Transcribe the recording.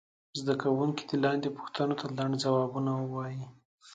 زده کوونکي دې لاندې پوښتنو ته لنډ ځوابونه ووایي.